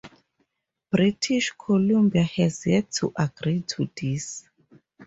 British Columbia has yet to agree to this.